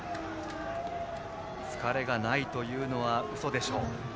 疲れがないというのはうそでしょう。